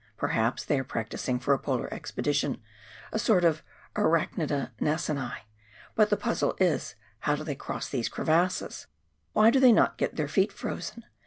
Perhaps they are practising for a polar expedition, a sort of a arachnidai Nansenii, but the puzzle is. How do they cross these crevasses ? Why do they not get their feet frozen